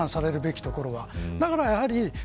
非難されるべきところは。